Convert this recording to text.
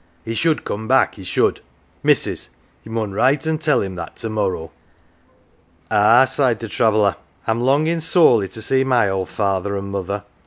He should come back, he should. Missus, ye mun write and tell him that to morrow." " Ah !" sighed the traveller, " I'm longin' sorely to see my old father an' mother.